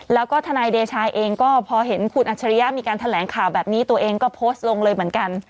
แล้วก็ทนายเดชาเองก็พอเห็นคุณอัจฉริยะมีการแถลงข่าวแบบนี้ตัวเองก็โพสต์ลงเลยเหมือนกัน